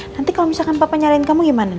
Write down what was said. nanti kalau misalkan papa nyalain kamu gimana